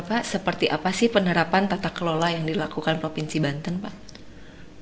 pak seperti apa sih penerapan tata kelola yang dilakukan provinsi banten pak